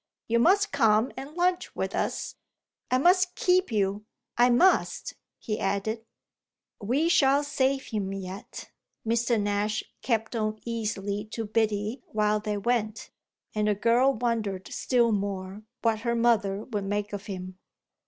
You must come and lunch with us. I must keep you I must!" he added. "We shall save him yet," Mr. Nash kept on easily to Biddy while they went and the girl wondered still more what her mother would make of him.